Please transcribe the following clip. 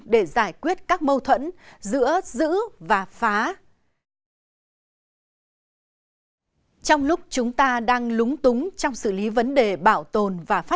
để giải quyết các mâu thuẫn giữa giữ và phá